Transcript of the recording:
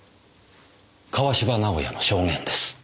川芝直哉の証言です。